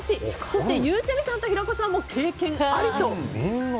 そしてゆうちゃみさんと平子さんも経験ありと。